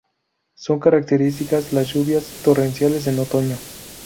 Son características las lluvias torrenciales en otoño.